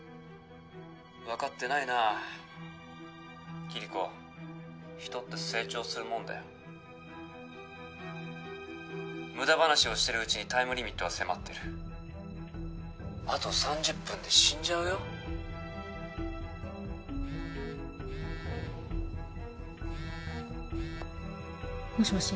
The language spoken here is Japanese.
分かってないなキリコ人って成長するもんだよ無駄話をしてるうちにタイムリミットは迫ってるあと３０分で死んじゃうよもしもし？